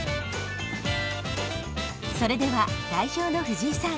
それでは代表の藤井さん